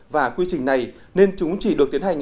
và quy trình này nên chúng chỉ được tiến hành